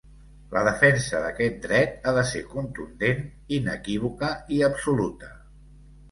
La defensa d’aquest dret ha de ser contundent, inequívoca i absoluta.